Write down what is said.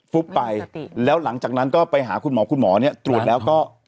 ไปแล้วหลังจากนั้นก็ไปหาคุณหมอคุณหมอเนี่ยตรวจแล้วก็